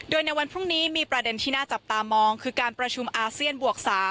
โดยในวันพรุ่งนี้มีประเด็นที่น่าจับตามองคือการประชุมอาเซียนบวก๓